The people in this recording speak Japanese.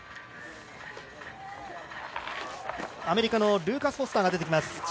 アメリカのルーカス・フォスターが出てきます